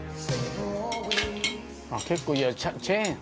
「結構いやチェーン！」